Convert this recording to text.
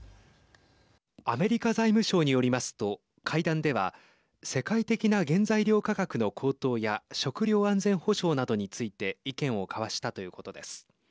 アメリカ財務省によりますと会談では世界的な原材料価格の高騰や食料安全保障などについて意見を交わしたということです。